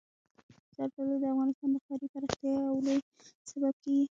زردالو د افغانستان د ښاري پراختیا یو لوی سبب کېږي.